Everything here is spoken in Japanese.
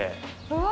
うわ。